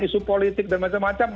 isu politik dan macam macam